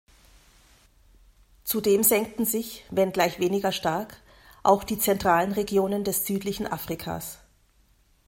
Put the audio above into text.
Zudem senkten sich, wenngleich weniger stark, auch die zentralen Regionen des südlichen Afrikas.